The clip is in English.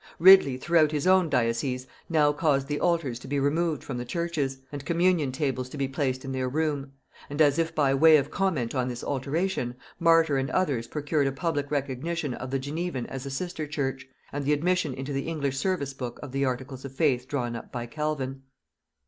Ridley throughout his own diocese now caused the altars to be removed from the churches, and communion tables to be placed in their room; and, as if by way of comment on this alteration, Martyr and others procured a public recognition of the Genevan as a sister church, and the admission into the English service book of the articles of faith drawn up by Calvin.